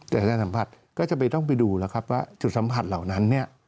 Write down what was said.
จากการสัมผัสก็จะต้องไปดูแล้วครับว่าจุดสัมผัสเหล่านั้น